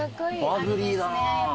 バブリーだな。